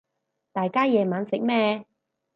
大家夜晚食咩